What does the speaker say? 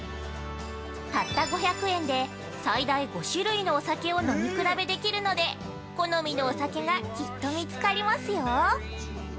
たった５００円で最大５種類のお酒を飲み比べできるので、好みのお酒がきっと見つかりますよ。